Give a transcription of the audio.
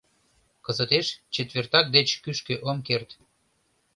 — Кызытеш четвертак деч кӱшкӧ ом керт.